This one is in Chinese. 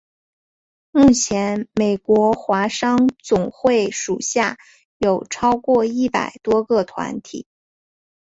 目前美国华商总会属下有超过一百多个团体。